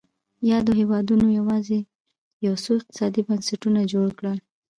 یادو هېوادونو یوازې یو څو اقتصادي بنسټونه جوړ کړل.